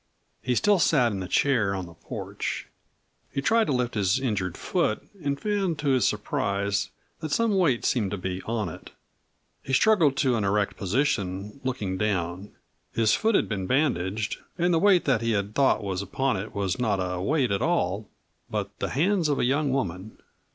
He still sat in the chair on the porch. He tried to lift his injured foot and found to his surprise that some weight seemed to be on it. He struggled to an erect position, looking down. His foot had been bandaged, and the weight that he had thought was upon it was not a weight at all, but the hands of a young woman.